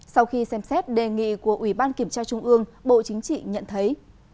sau khi xem xét đề nghị của ủy ban kiểm tra trung ương bộ chính trị nhận thấy